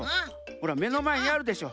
ほらめのまえにあるでしょ。